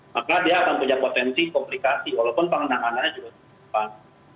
maka dia akan punya potensi komplikasi walaupun penanganannya juga cepat